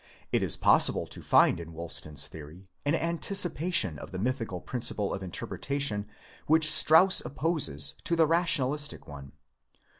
It is possible to find in Woolston's theory an an ticipation of the mythical principle of interpreta tion which Strauss opposes to the rationalistic one.